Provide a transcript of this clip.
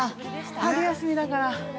春休みだから。